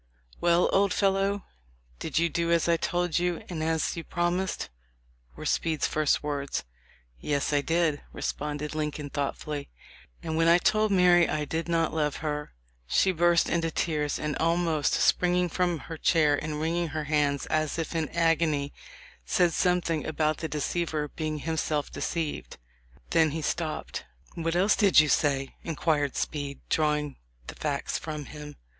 "Well, old fellow, did you do as I told you and as you promised?" were Speed's first words. "Yes, I did," responded Lincoln, thoughtfully, "and when I told Mary I did not love her, she burst into tears and almost springing from her chair and wringing her hands as if in agony, said something about the deceiver being himself de ceived." Then he stopped. "What else did you say?" inquired Speed, drawing the facts from him.